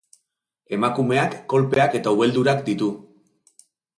Emakumeak kolpeak eta ubeldurak ditu.